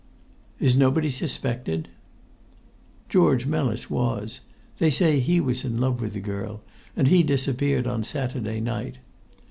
"Is nobody suspected?" "George Mellis was. They say he was in love with the girl, and he disappeared on Saturday night.